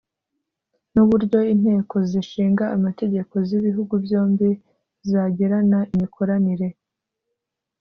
n’uburyo Inteko zishinga Amategeko z’ibihugu byombi zagirana imikoranire